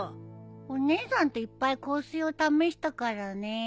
お姉さんといっぱい香水を試したからね。